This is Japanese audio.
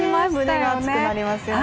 胸が熱くなりますよね。